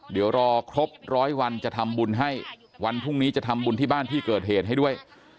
เดี๋ยวรอครบร้อยวันจะทำบุญให้วันพรุ่งนี้จะทำบุญที่บ้านที่เกิดเหตุให้ด้วย